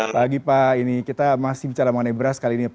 pagi pak kita masih bicara mengenai beras kali ini